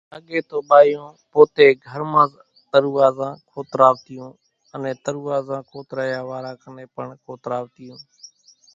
اڳيَ تو ٻايوُن پوتيَ گھر مانز ترُووازان کوترتيون، انين ترُووازان کوتريا واران ڪنين پڻ کوتراوتيون۔